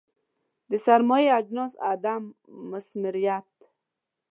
د سرمایوي اجناسو عدم مثمریت.